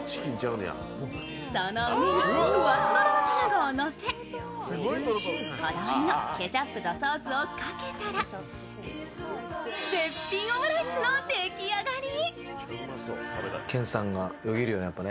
その上にフワトロの卵をのせ、こだわりのケチャップとソースをかけたら絶品オムライスの出来上がり。